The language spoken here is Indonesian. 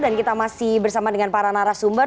dan kita masih bersama dengan para narasumber